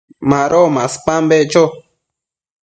Mado maspan beccho